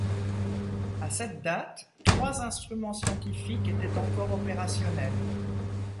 À cette date, trois instruments scientifiques étaient encore opérationnels.